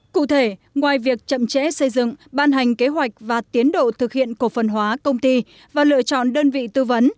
cụ thể ngoài việc chậm trễ xây dựng ban hành kế hoạch và tiến độ thực hiện cổ phần hóa công ty và lựa chọn đơn vị tư vấn